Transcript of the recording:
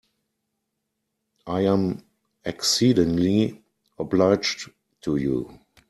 I am exceedingly obliged to you.